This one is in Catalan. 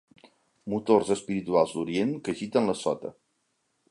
Motors espirituals d'Orient que agiten la sota.